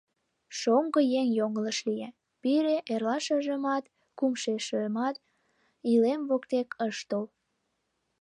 Шоҥго еҥ йоҥылыш лие: пире эрлашыжымат, кумшешымат илем воктек ыш тол.